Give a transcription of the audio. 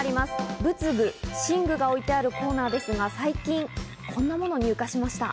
仏具・神具が置いてあるコーナーですが、最近こんなものを入荷しました。